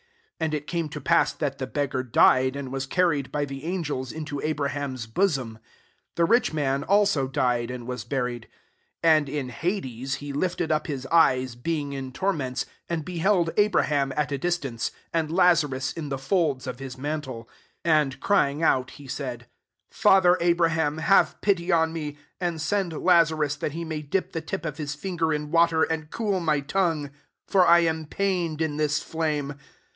22 '*And it came to pass, that the beggar died, and was car ried by the angels into Abra ham's bosomf. The rich man also died and was buried. 23 And in hades, he lifted up his eyes, being in torments, and be held Abraham at a distance, and Lazarus in the folds of his man tle I 24 And crying out, he said, * Father Abraham, have pity on me, and send Lazarus, that he may dip the tip of his finger in water, and cool my tongue ; for I am pained in this fiame.'